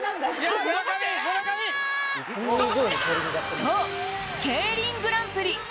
そう、ＫＥＩＲＩＮグランプリ。